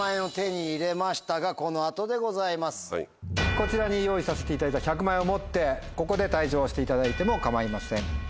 こちらに用意させていただいた１００万円を持ってここで退場していただいても構いません。